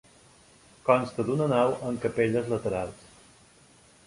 Consta d'una nau amb capelles laterals.